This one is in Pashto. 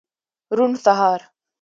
روڼ سهار